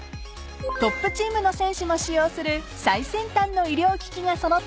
［トップチームの選手も使用する最先端の医療機器が揃ったクリニック］